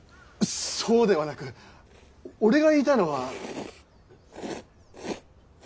そうではなく俺が言いたいのは！